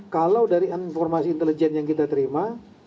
kalau dari informasi intelijen yang kita terima